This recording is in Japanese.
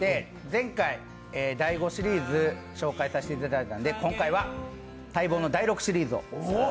前回、第５シリーズ、紹介させていただいたので、今回は待望の第６シリーズを。